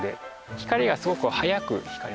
光がすごく速く光ります。